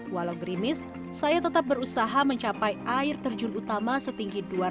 walau gerimis saya tetap berusaha mencapai air terjun tertinggi di pulau jawa ini